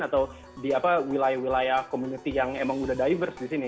atau di wilayah wilayah community yang emang udah diverse di sini